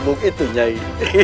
agung itu nyai